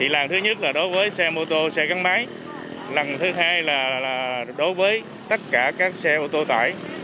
làng thứ nhất là đối với xe mô tô xe gắn máy lần thứ hai là đối với tất cả các xe ô tô tải